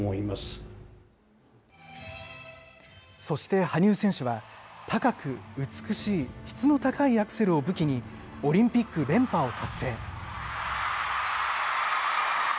そして羽生選手は、高く、美しい、質の高いアクセルを武器に、オリンピック連覇を達成。